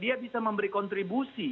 dia bisa memberi kontribusi